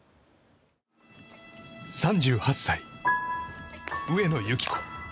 ３８歳、上野由岐子。